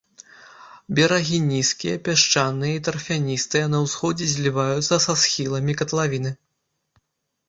Берагі нізкія, пясчаныя і тарфяністыя, на ўсходзе зліваюцца са схіламі катлавіны.